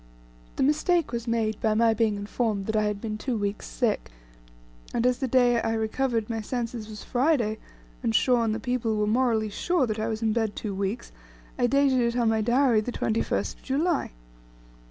The mistake was made by my being informed that I had been two weeks sick, and as the day I recovered my senses was Friday, and Shaw and the people were morally sure that I was in bed two weeks, I dated it on my Diary the 21st of July.